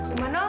ya makasih pak